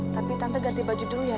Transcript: tapi tante ganti baju dulu ya